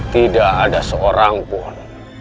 tidak ada seorang pun